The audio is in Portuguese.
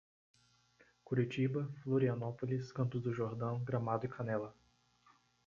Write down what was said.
Curitiba, Florianópolis, Campos do Jordão, Gramado e Canela